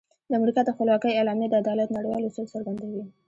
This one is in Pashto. د امریکا د خپلواکۍ اعلامیه د عدالت نړیوال اصول څرګندوي.